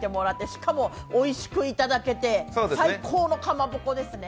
しかもおいしくいただけて、最高のかまぼこですね。